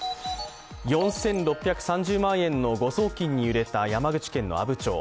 ４６３０万円の誤送金に揺れた山口県の阿武町。